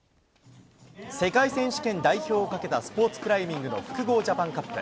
世界選手権代表をかけたスポーツクライミングの複合ジャパンカップ。